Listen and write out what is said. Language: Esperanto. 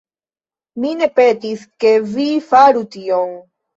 Mi ne petis, ke vi faru tion...